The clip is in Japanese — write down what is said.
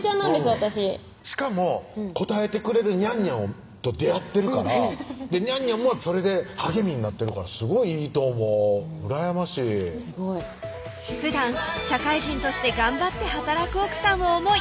私しかも応えてくれるにゃんにゃんと出会ってるからにゃんにゃんもそれで励みになってるからすごいいいと思う羨ましいすごいふだん社会人として頑張って働く奥さんを思い